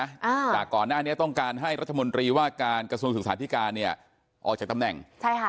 อ่าจากก่อนหน้านี้ต้องการให้รัฐมนตรีว่าการกระทรวงศึกษาธิการเนี้ยออกจากตำแหน่งใช่ค่ะ